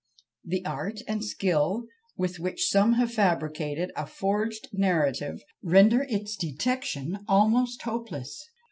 The art and skill with which some have fabricated a forged narrative render its detection almost hopeless.